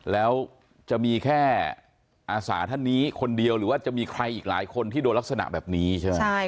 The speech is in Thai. แล้วจะมีแค่อาสาท่านนี้คนเดียวหรือว่าจะมีใครอีกหลายคนที่โดนลักษณะแบบนี้ใช่ไหม